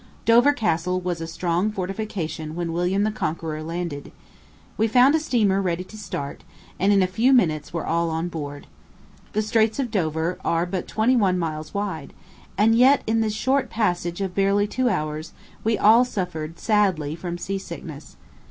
Dover Castle was a strong fortification when William the Conqueror landed. We found a steamer ready to start, and in a few minutes were all on board. The Straits of Dover are but twenty one miles wide; and yet, in this short passage of barely two hours, we all suffered sadly from sea sickness.